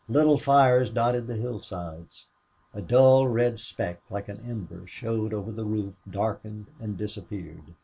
Little fires dotted the hillsides. A dull red speck, like an ember, showed over the roof, darkened, and disappeared.